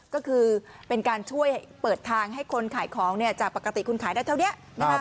ก็คือเป็นการช่วยเปิดทางให้คนขายของจากปกติคุณขายได้เท่านี้